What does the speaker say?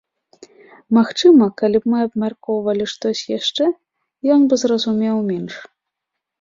Магчыма, калі б мы абмяркоўвалі штосьці яшчэ, ён бы зразумеў менш.